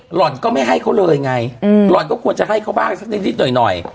หล่อนก็ไม่ให้เขาเลยไงหล่อนก็ควรจะให้เขาบ้างสักนิดหน่อยหน่อย